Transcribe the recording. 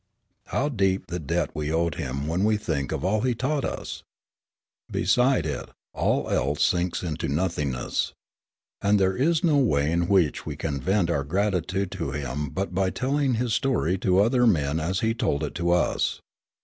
How deep the debt we owe him when we think of all he taught us ! Beside it all else sinks into nothing ness. And there is no way in which we can vent our gratitude to him but by telling his story to other men as he told it to us.